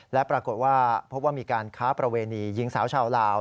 และปรากฏว่าพบว่ามีการค้าประเวณีหญิงสาวชาวลาว